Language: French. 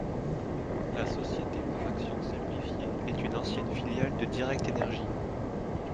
La Société par actions simplifiée est une ancienne filiale de Direct Énergie.